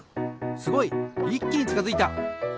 すごい！いっきにちかづいた。